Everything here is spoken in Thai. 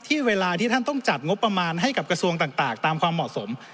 เวลาที่ท่านต้องจัดงบประมาณให้กับกระทรวงต่างตามความเหมาะสม